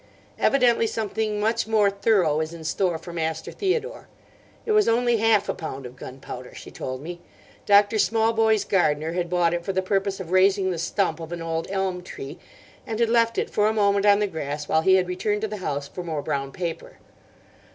Evidently something much more thorough is in store for Master Theodore. It was only half a pound of gunpowder, she told me. Doctor Smallboy's gardener had bought it for the purpose of raising the stump of an old elm tree, and had left it for a moment on the grass while he had returned to the house for more brown paper.